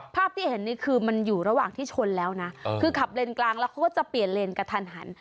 ภาพที่เห็นนี่คือมันอยู่ระหว่างที่ชนแล้วนะคือขับเลนกลางแล้วเขาก็จะเปลี่ยนเลนกระทันหัน